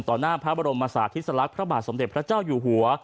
หน้าพระบรมศาสติสลักษณ์พระบาทสมเด็จพระเจ้าอยู่หัว